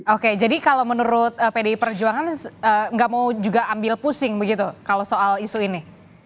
oke jadi kalau menurut pdi perjuangan nggak mau juga ambil pusing begitu kalau soal isu ini